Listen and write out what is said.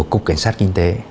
cục cảnh sát kinh tế